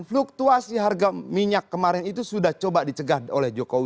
fluktuasi harga minyak kemarin itu sudah coba dicegah oleh jokowi